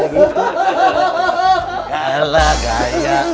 gak lah kaya